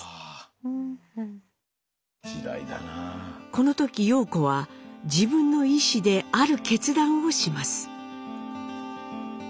この時様子は自分の意思である決断をします。